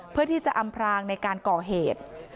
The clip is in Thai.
เพื่อที่จะอำพรางในการก่อเหตุ